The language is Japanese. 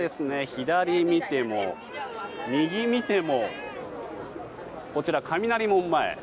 左見ても、右見てもこちら雷門前。